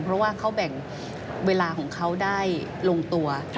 เพราะว่าเขาแบ่งเวลาของเขาได้ลงตัว